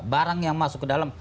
barang yang masuk ke dalam